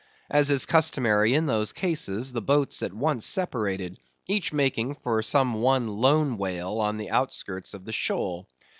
As is customary in those cases, the boats at once separated, each making for some one lone whale on the outskirts of the shoal.